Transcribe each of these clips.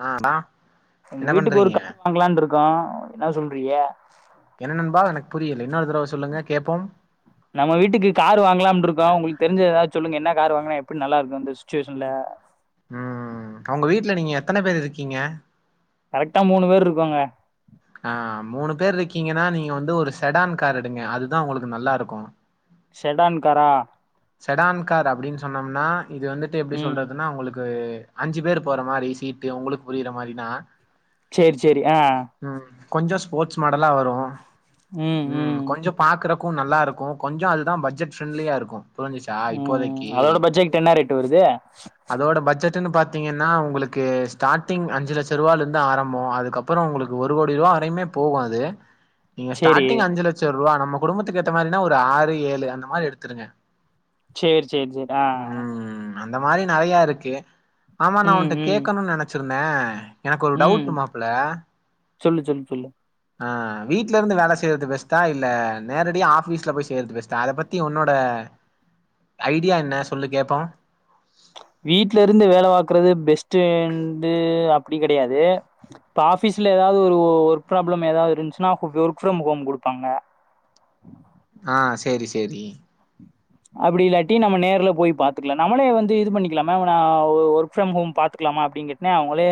ஆ நா எங்க என்ன வீட்டுக்கு ஒரு பண்றீங்க கார் வாங்கலாம் இருக்கோம் என்ன சொல்ற பீரி யா என்ன நண்பா எனக்கு புரியல இன்னொரு தடவ சொல்லுங்க கேப்போம் நம்ம வீட்டுக்கு கார் வாங்கலாம்னுட்டு இருக்கோம் உங்களுக்கு தெரிஞ்ச ஏதாவது சொல்லுங்க என்ன கார் வாங்கனா எப்படி நல்லா இருக்கும் இந்த சுச்சுவேஷன்ல உம் உங்க வீட்டுல நீங்க எத்தனை பேர் இருக்கீங்க கரெக்டா மூணு பேர் இருக்கோங்க ஆஹ் மூணு பேர் இருக்கீங்கன்னா நீங்க வந்து ஒரு செடான் கார் எடுங்க அதுதான் உங்களுக்கு நல்லா இருக்கும் செடான் காரா செடான்கார் அப்படின்னு சொன்னோம்னா இது வந்துட்டு எப்படி ம் சொல்றதுன்னா அவங்களுக்கு அஞ்சு பேர் போற மாதிரி சீட்டு உங்களுக்கு புரியற மாதிரினா செரி செரி ஆஹ் கொஞ்சோ ஸ்போர்ட்ஸ் மாடலா வரும் உம் கொஞ்சம் பாக்குறக்கும் நல்லா இருக்கும் கொஞ்சம் அது தான் பட்ஜெட் ப்ரெண்டலியா இருக்கும் உம் அதோட பட்ஜெட் என்னரேட்டு வருது இப்பனு பாத்தீங்கன்னா உங்களுக்கு ஸ்டார்ட்டிங் அஞ்சு லட்சம் ரூபாயால இருந்து ஆரம்பம் அதுக்கப்புறம் உங்களுக்கு ஒரு கோடி ரூபா வரையுமே போகும் அது நீங்க சேரி ஸ்டார்டிங் அஞ்சு லட்சம் ரூபா நம்ம குடும்பத்துக்கு ஏத்த மாதிரினா ஒரு ஆறு ஏழு அந்த மாதிரி எடுத்துருங்க சேரி சேரி சேரி ஆஹ் ம் அந்த மாதிரி நெறைய இருக்கு ஆமா நான் ம் உன்னிட்ட ம் கேக்கணும்னு நினச்சன் இருந்தேன் எனக்கு ஒரு ம் டவுட்டு் மாப்பிள்ள சொல்லு சொல்லு சொல்லு அ வீட்ல இருந்து வேல செய்யிறது பெஸ்ட்டா இல்ல நேரடியா ஆபீஸ்ல போய் செய்யிறது பெஸ்ட்டா அத பத்தி உன்னோட ஐடியா என்ன சொல்லு கேப்போ வீட்ல இருந்து வேல பாக்குறது பெஸ்ட்டுன் வந்து அப்டி கெடையாது இப்ப ஆபீஸ்ல எதாவது ஒரு ஒர்க் பிராபுளம் எதாவது இருந்துச்சுன்னா ஒர்க் ஃப்ரம் ஹோம் குடுப்பாங்க ஆ சேரி சேரி அப்டி இல்லாட்டி நம்ம நேர்ல போய் பாத்துக்கலா நம்மளே வந்து இது பண்ணிக்கலாமா அவ ஒர்க் ஃப்ரம் ஹோம் பாத்துக்கலாமா அப்டினு கட்டொனே அவங்களே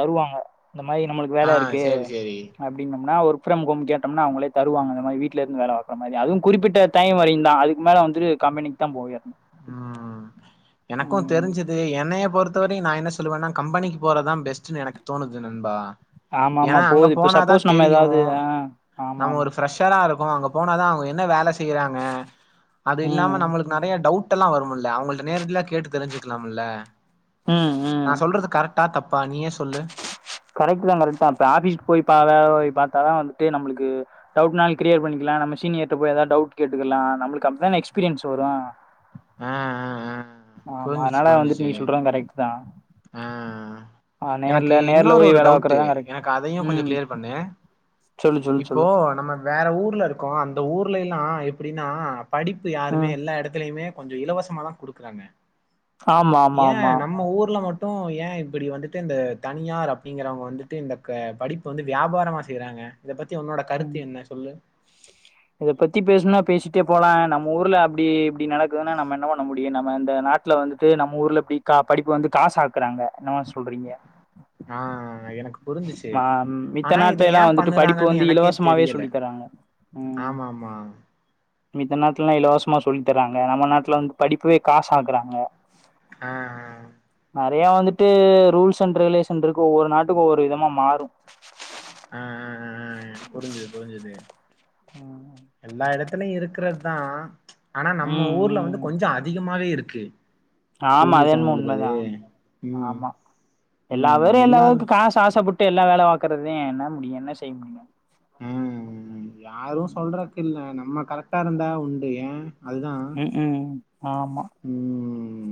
தருவாங்க இந்த மாரி நம்மளுக்கு ஆ வேல இருக்கு சேரி சேரி அப்டின்னம்னா ஒரு ஃப்ரம் ஹோம் கேட்டம்னா அவங்களே தருவாங்க அந்த மாரி வீட்ல இருந்து வேல பாக்குற மாரி அதுவும் குறிப்பிட்ட டைம் வரையுந்தா அதுக்கு மேல வந்து கம்பெனிக்குதா போய் ஆகனு ம் எனக்கு அது தெருஞ்சுது என்னைய பொறுத் த்த வரையும் நா என்ன சொல்லுவன்னா கம்பெனிக்கு போறதா பெஸ்ட்னு எனக்கு தோணுது நண்பா ஆமா ஆமா ஏன்னா அங்க போது இப்ப போனாதா சப்போஸ் நம்ம தெரியு எதாவது ஆமா ஆமா மோ அங்க போனாதா அவங்க என்ன வேலஸ் செய்யிறாங்க அது ம். இல்லாம நம்மளுக்கு நறையா டவுட் டெல்லா வரும்ல அவங்கள்ட நேரடியல்லா கேட்டு தெருஞ்சுக்கலாம்ல ம் ம் ட்டா தப்பா நீ ஏ சொல்லு கரெக்ட்தா கரெக்ட்தா இப்ப ஆபீஸ்க்கு போய் பா போய் பாத்தா வந்துட்டு நம்மளுக்கு டவுட்னாலு க்ளியர் பண்ணிக்கலா நம்ம சீனியர்ட்ட போய் எதாவது டவுட் கேட்டுக்கலா நம்மளுக்கு அப்டிதான எக்ஸ்பீரியன்ஸ் வரு ஆ ஆ ஆ ஆ புருஞ்சுச்சு அதனால வந்துட்டு புருஞ்சுச்சு நீ சொல்றது கரெக்ட் தான். ஆ ஆ நேர்ல எனக்கு நேர்ல இன்னொரு போய் ஒரு வேல டவுட்டு பாக்குறதா கரெக்ட். எனக்கு அதையு கொஞ்சோ ம் கிளியர் பண்ணு சொல்லு சொல்லு இப்போ சொல்லு. நம்ம வேற ஊர்ல இருக்கோ அந்த ஊர் லை எல்லா எப்புடின்னா படிப்பு யாருமே ம். எல்லா எடத்துலையுமே கொஞ்சோ இலவசமாதா குடுக்குறாங்க ஆமா ஆமா ஆமா டு ஏ இப்புடி வந்துட்டு இந்த தனியார் அப்டிங்குறவங்க வந்துட்டு இந்த படிப்பு வந்து வியாபாரமா செய்றாங்க இத பத்தி உன்னோட கருத்து ம். என்ன சொல்லு இத பத்தி பேசணுன்னா பேசிட்டே போலா நம்ம ஊர்ல அப்டி இப்டி நடக்குதுன்னா நம்ம என்ன பண்ண முடியு நம்ம இந்த நாட்ல வந்துட்டு நம்ம ஊர்ல இப்டி படிப்பு வந்து காஸ் ஆக்குறாங்க என்ன மார் சொல்றீங்க ஆஹ் எனக்கு புரிஞ்சுச்சு ம மித்த ஆனா இதை நாட்லயெல்லா ஏன் வந்துட்டு படிப்பு பண்ணுறாங்கன்னு வந்து எனக்கே இலவசமாவே தெரியல சொல்லி தராங்க ம் ஆமா ஆமா மித்த நாட்லெல்லா இலவசமா சொல்லி தரா அங்க நம்ம நாட்ல வந்து படிப்புவே காஸ் ஆக்குறாங்க ஆ ஆ நறையா வந்துட்டு ரூல்ஸ் அண்ட் ரெகுலேஷன் இருக்கு ஒவ்வொரு நாட்டுக்கு ஒவ்வொரு விதமா மாறு அ அ அ அ புருஞ்சுது புருஞ்சுது ம். எல்லா எடத்துலயு இருக்கு க்றதா ஆனா நம்ம ம் ஊர்ல ம் வந்து கொஞ்சோ அதிகமாவே இரு ஓகே ஆமா அது என்னமோ உண்ம தா ம் ஆமா எல்லா ம் பேரும் எல்லாரு எல்லாபேருக்கும் காசாசப்பட் இருக்க எல்லா வேல பாக்கறதுதே ம் யாரும் சொல்றதுக்கில்ல நம்ம கரெக்டா ம் இருந்தா உண்டு ஏ அதுதா ம் ம் ஆமா ம்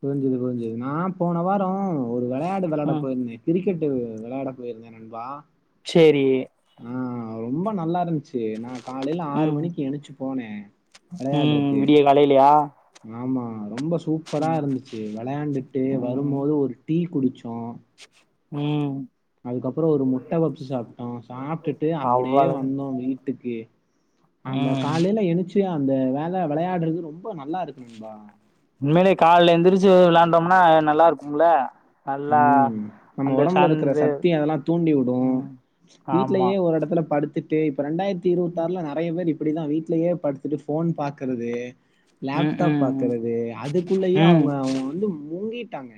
புரிஞ்சுது புரிஞ்சுது நா போன வாரோ ஒரு வெளையாடு வெளட ம் போயிருந்தே கிரிக்கெட்டு வெளடப் போயிருந்த நண்பா செரி ஆ ரொம்ப நல்லாருந்துச்சு ஏ நா காலேல ஆறு ம் மணிக்கு எனச்சு போனே ம் வெளையாடுறக்கு விடிய காலேலியா ஆமா ரொம்ப சூப்பரா இருந்துச்சு வெளாண்டுட்டு ம் வரும்போது ஒரு டீ குடிச் சோ ம் அதுக்கப்பறோ ஒரு முட்ட பப்சு சாப்டோ சாப்டுட்டு அப்டே அவ்வளவு வந்தோ வீட் டுக்கு ஆமா ம் காலேல எனுச்சு ட்டு அந்த வேள வெளயடறது ரொம்ப நல்லாருக்கு நண்பா உண்மேலே கால்ல எந்திரிச்சு வெளாண்டோம்னா நல்லாருக்கும்ல ம் நம்ம உடம்புல இருக்ற சத்தி அதெல்லா தூண்டி வுடும் ம் ஆமா வீட்லயே ஒரு எடத்துல படுத்துட் டு இப்ப ரெண்டாயிரத்தி இருவத்தாறுல நறைய பேர் இப்டிதா வீட்லயே படுத்துட்டு ஃபோன் பாக்கறது ம் லேப்டாப் ம் பாக்கறது அதுக்குள்ளயே ம் அவுங்க அவுங்க வந்து மூங்கி விட்டாங்க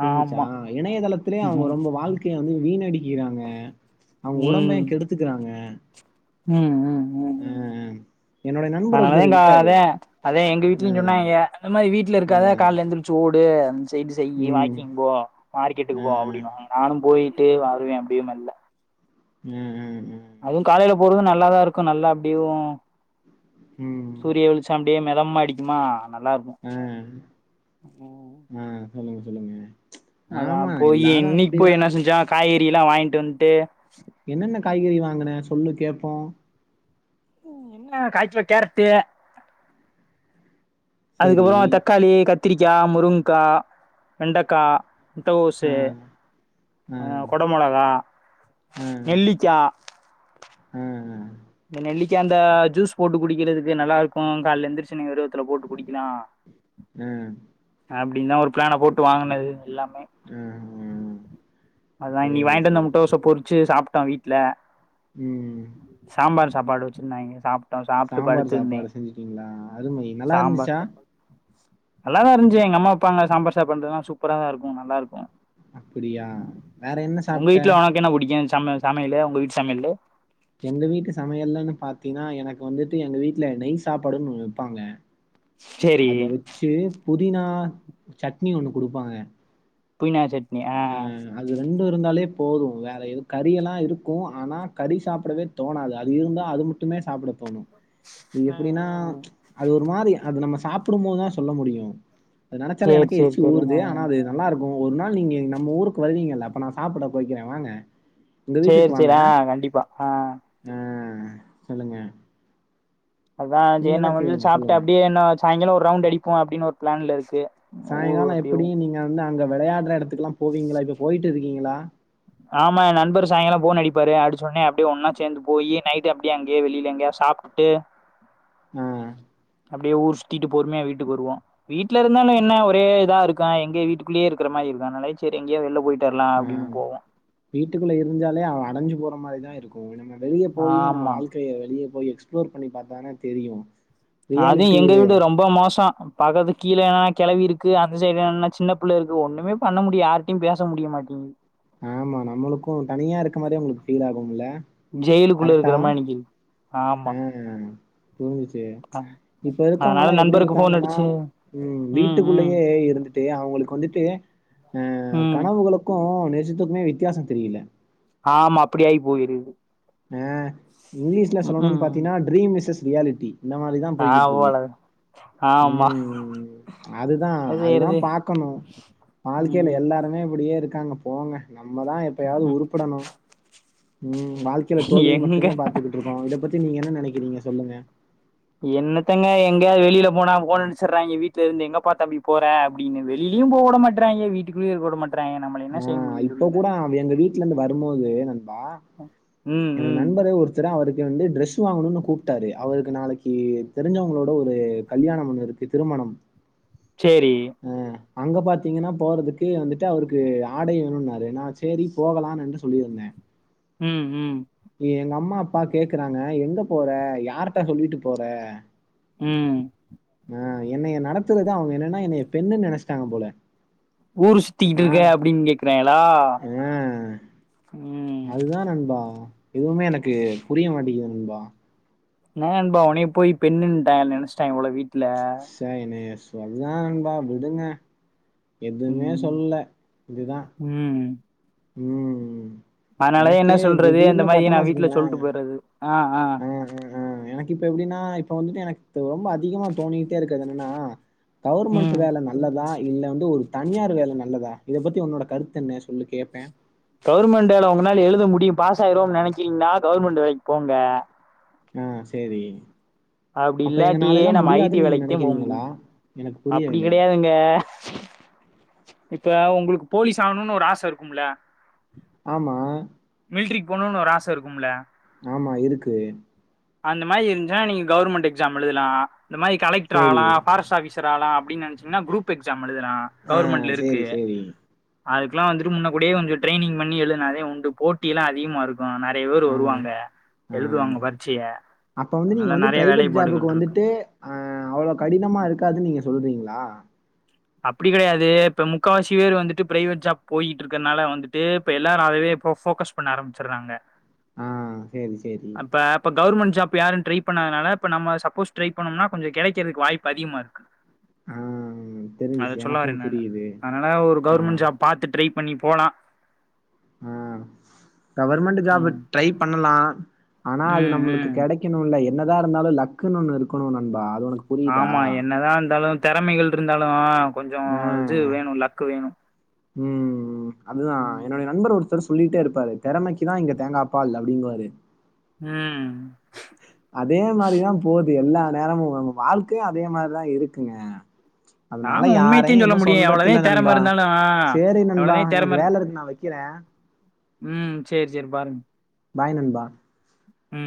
புரிஞ்சிச்சா ஆமா இணையதளத்திலயே அவங்க ம் ரொம்ப வாழ்க்கைய வந்து வீண்அடிக்கிறாங்க அவங்க உடம்ப கெடுத்துக்கறாங்க உம் உம் உம் என்னோட நண்பர் ஆனாலா ஒருத்தர் ன்க இருக்காரு அதான் அதே எங்க வீட்லயும் அஹ் சொன்னாங்க இந்த மாதிரி வீட்டுல இருக்காத அஹ் காலைல எழுந்திரிச்சு ஓடு செய்து செய்யி உம் வாக்கிங் போ மார்க்கெட்டுக்கு போ அஹ் அப்படின்னு வாங்க நானும் போய் இப்படியே வருவேன் அப்படியே மெல்ல உஹம் உம் நல்லாதான் இருக்கும் நல்லா அப்படியும் உம் சூரிய வெளிச்சம் அப்படியே மிதமா அடிக்குமா நல்லா இருக்கும் ஆ உம் ஆ சொல்லுங்க சொல்லுங்க ஆமா அதான் போயி எல்லாரு இன்னைக்கு போயி அப்டிதா என்ன செஞ்சா கறி டீ எல்லாம் வாங்கிட்டு வந்துட்டு என்னென்ன காய்கறி வாங்குனே சொல்லு கேடப்போம் என்ன கால்க்கிலோ கேரட்டு சேரி அதுக்கப்புறம் தக்காளி கத் கத்திரிக்காய் முருங்ககாய் வெண்டைக்காய் முட்டகோசு ஆ ஆ கொடமொளகா நெல்லிக்காய் ஹம் இந்த நெல்லிக்கா அந்த ஜூஸ் போட்டு குடிக்கிறதுக்கு நல்லா இருக்கும் கால எந்திரிச்சொன்ன போட்டு குடிக்கலாம் ஆ அப்படி தான் ஒரு பிளான போட்டு வாங்கினது எல்லாம் ஆ அதான் இன்னைக்கு சேரி வாங்கிட்டு வந்த சேரி முட்டை கோச மட்டும் பொறிச்சு சாப்பி வீட்ல உம் சாம்பார் சாப்பாடு வச்சிருந்தாங்க சாப் சாம்பார் சாப்பாடு செஞ்சுட்டீங்களா அதுவுமே நல்லா இருந்துச்சா நல்லாதான் இருந்துச்சு எங்க அம்மா வைப்பாங்க சாம்பார் சாப்பிடடுறதுனா சூப்பரா தான் இருக்கும் நல்லா இருக்கும் அப்படியா வேற என்ன சாப்ட்ட சம்ம சமையலு உங்க வீட்டு சமையலு எங்க வீட்டு சமையல்லன்னு பாத்தீன்னா எனக்கு வந்துட்டு எங்க வீட்டுல நெய் சாப்பாடுன்னு ஒன்னு வைப்பாங்க சேரி அது வச்சு புதினா சட்னி ஒண்ணு குடுப்பாங்க புதினா சட்னி ஆ அ அது ரெண்டு இருந்தாலே போது வேற எது கறியெல்லா இருக்கு ஆனா கறி சாப்பிடவே தோணாது அது இருந்தா அது மட்டுமே சாப்பிட தோணு அது ம் எப்டின்னா ம் அது ஒரு மாரி அது நம்ம சா சாப்பிடும்போதுதா சொல்ல முடியு அது நினச்சாலே சேரி எனக்கே சேரி எச்சி சேரி ஆ உருது ஆனா அது நல்லா இருக் ஒரு நாள் நீங்க நம்ம ஊருக்கு வருவீங்கல அப்ப நா சாப்பிட வக்கிறே வாங்க எங்க சேரி வீட்டுக்கு வாங்க. சேரி ஆ கண்டிப்பா ஆ ஆ சொல்லுங்க அதா நீங்க ஜேன் நா தான் முடிங்சு கேளுங்க சாப்புட்டு சொல்லுங்க. அப்படியேனா சாயங்காலோ ஒரு ரவுண்ட் அடிப்போ அப்டின்னு ஒரு பிளான்ல இஸ்சு சாயங்காலோ எப்டியு நீங்க வந்து அங்க விளையாடுற எடத்துக்குலா போவீங்களா இப்ப போயிட்டு இருக்கீங்களா ஆமா நண்பர் சாயங்காலோ ஃபோன்னு அடிப்பாரு அடிச்சோனா அப்டியே ஒன்னா சேர்ந்து போய் நைட்டு் அப்டியே அங்கேயே வெளியில எங்கயாது சாப்ட்டுட்டு அ அப்படியே ஊர் சுத்திட்டு பொருமையா வீட்டுக்கு வருவோ வீட்ல இருந்தாலு என்ன ஒரே இதா இருக் இரு எங்க வீட்டுக்குள்ளயே இருற மாரி இருக்கு அதனால சேரி எங்கயா வெளில போயிட்டு வரலா ஆ அப்டின்னு போவோ வீட்டுக்குள்ள இருஞ்சாலே அடைஞ்சு போற மாரி தா இருக்கு இனிமே வெளிய போய் நம்ம ஆமா வாழ்க்கைய வெளிய போய் எக்ஸ்ப்ளோர் பண்ணி பாத்தாதான தெரியு அது எங்க வீடு ரொம்ப மோசோ பாக்கத்து கீழ என்னன்னா கெழவி இருக்கு அந்த சைடுல என்னன்னா சின்ன பிள்ளை இருக்கு ஒண்ணுமே பண்ண முடிய யாரிட்டயையு பேச முடிய மாட்டேங்குது ஆமா நம்மளுக்கு தனியா இருக்க மாரி உங்களுக்கு ஃபீல் ஆகும்ல ஜெயிலுக்குள்ள கரெட்டா இருக்கற மாரி நிக்குது ஆ ஆமா புரி்சிஞ்ச்சு இப்ப அதனால இருக்கவங்கல்லா எப்டி நண்பருக்கு ஃபோன் இருக்காங்கன்னா அடிச்சு உ ம் ம் வீட்டுக்குள்ளயே இருந்துட்டு அவங்களுக்கு வந்துட்டு ஆ ம் கனவுகளுக்கு [unintelligible] த்துக்குமே வித்தியாசோ தெரியல ஆமா அப்படியாகி போயிருது ஆ இங்கிலீஷ்ல ம் சொல்லணும்னு ம் பாத்தீங்கனா ட்ரீம் மிசஸ் ரியாலிட்டி இந்த மாரிதா ஆ போய்கிட்டு இருக்கு போல ஆமா உம் அதுதா என்ன அதுதா செய்யறது பாக்கணு வாழ்க்கையில ம் எல்லாருமே இப்டியே இருக்கு இருக்காங்க போங்க நம்மதா எப்பயாவது ம் உருப்படணு உம் வாழ்க்க தோல்விய எங்க மட்டுமே பத்துக்கிட்டு இருக்கோ இத பத்தி நீங்க என்ன நெனக்குறீங்க சொல்லுங்க என்னத்தங்க எங்க வெளியில போனா ஃபோன் அடுச்சுடுறாங்க வீட்ல இருந்து எங்க பா தம்பி போறே அப்டின்னு வெளிலயு போக விட மாட்டறாங்க வீட்டுக்குள்ளயே இருக்க விட மாட்டேன் ஆ இப்ப கூட எங்க வீட்ல இருந்து வரும்போது நண்பா ம் எ ம் நண்பரு ஒருத்தரு அவருக்கு வந்து டிரெஸ் வாங்கணும்னு கூப்ட்டாரு அவருக்கு நாளைக்கு தெரிஞ்சவங்களோட ஒரு கல்யாணம் ஒன்னு இருக்கு திருமணம் சேரி அ அங்க பாத்தீங்கனா போறதுக்கு வந்துட்டு அவருக்கு ஆடை ன்னாரு நா சேரி போகலாம் என்று சொல்லியிருந்தே உம் உம் அப்பா கேக்குறாங்க எங்க போற யார்ட்ட சொல்லிட்டு போற ம் ஆ என்னைய நட த்துலா தா அவுங்க என்னன்னா என்னைய பெண்ணுனு நெனச்சிட்டாங்க போல ஊருஷ் சுத்திட்டு ஆ இருக்க அப்டின்னு கேக்குறாங்ளா அ உம் அதுதான் நண்பா. எதுவுமே எனக்கு புரிய மாட்டேங்குது நண்பா என்ன நண்பா உன்னய போய் பெண்ணுட்டா நெனச்சிட்டங்க போல வீட்ல சைனேஸ் என்னா நண்பா விடுங்க எதுமே ம் சொல்லல இதுதா உம் அதனாலாதா என்ன சொல்றது இந்த மாதிரி நா வச்சுக்கோங்களேன் வீட்ல சொல்ட்டு போயிடுறது ஆ ஆ ம், ம், ம். எனக்கு இப்ப எப்டின்னா இப்ப வந்துட்டு எனக்கு ரொம்ப அதிகமா தோணிட்டே இருக்கது என்னன்னா கவர்மெண்ட் ம் வேல நல்லதா இல்ல வந்து ஒரு தனியார் வேலை நல்லதா இதை பத்தி உன்னோட கருத்து என்ன சொல்லி கேட்பேன் கவர்மெண்டு வேலை உங்களால எழுத முடியும் பாஸ் ஆயிருவோம் நினைச்சிங்கனா கவர்மென்ட் வேலைக்கு போங்க ஆஹ் செரி அப்படி இல்லாட்டியே நம்ம ஐடி வேலைக்குத்தான் போக நினைக்கிறீங்களா? முடியும் எனக்கு அப்படி புரியவில்லை. கெடையாதுங்க இப்ப உங்களுக்கு போலீஸ் ஆகணும்னு ஒரு ஆசை இருக்கும்ல ஆமா திரும்பி போகணும்னு ஒரு ஆசை இருக்கும்ல ஆமா இருக்கு அந்த மாதிரி இருந்துச்சுனா நீங்க கவர்மெண்ட் எக்ஸாம் எழுதலாம் இந்த மாதிரி கலெக்டர் சரி. ஆகலாம் பாரெஸ்ட் ஆஃபீர் லாம் அப்டின் நினைச்ச்சீங்கன்னா குரூப் எக்ஸாம் எழுதுலான் ஆ கவர்மெண்ட்ல இருக்கு சரி, சரி. அதுக்கெல்லாம் வந்துட்டு முன்ன கூடிய கொஞ்சம் ட்ரைனிங் பண்ணி எழுதுனாதே ஒண்டு போட்டி எல்லாம் அதிகமா இருக்கும் அஹ் ஆஹ் எழுதுவாங்க பரீட்சைய அப்ப வந்து நீங்க அதனால வந்து நெறைய பிரைவேட் வேலைப்பாடுகள் ஜாபுக்கு இருக்கு வந்துட்டு அஹ் அவ்வளவு கடினமா இருக்காதுன்னு நீங்க சொல்றீங்களா அப்படி கெடையாது இப்ப முக்கால்வாசி பேர் வந்துட்டு பிரைவேட் ஜாப் போயிட்டு இருக்கனால வந்துட்டு இப்ப எல்லாரும் அதவே இப்ப போக்கஸ் பண்ண ஆரம்பிச்சடுறாங்க ஆஹ் செரி செரி கவர்மெண்ட் ஜாப் யாரும் ட்ரை பண்ணாததுனால இப்ப நம்ம சப்போஸ் ட்ரை பண்ணோம்னா கொஞ்ச கிடைக்கிறது வாய்ப்பு அதிகமா இருக்கு ஆஹ் அத சொல்ல வரேன்ங்க அதனால ஒரு ஆ கவர்மெண்ட் ஜாப் பாத்துட்டு போலாம் உஹம் கவர்மெண்ட்டு ஜாப் ம் ட்ரை பண்ணலாம் ஆனா அது ம் நம்மளுக்கு ம் கெடைக்கணும் இல்ல என்னதா இருந்தாலும் லக்ன்னனு ஒண்ணு இருக்கணும் நண்பா அது உனக்கு புரியுதா ஆமா என்னதான் இருந்தாலும் திறமைகள் இருந்தாலும் கொஞ்சம் ஆ இது வேணும் லக்கு வேணும் ம் அதுதா உம் என்னுடைய நண்பர் சொல்லிட்டே இருப்பாரு திறமைக்குதான்ங்க தேங்காய் பால் அப்படிங்கற எ உ அதே மாரிதா போகுது எல்லா நேரமும்ங்க நம் வாழ்க்கயு அதே மாரிதா இருக்குங்க ஆமா அதனால உண்மையத்தையும் யாரையு சொல்ல எதுவு முடியும் எவ்வளதா சொல்றக்குல திறம நண்பா இருந்தாலும் சரி நண்பா எவ்வளதா எனக்கு வேல இருக்கு நா வைக்கிறே உ சரி சரி பாருங்க பாய் நண்பா உ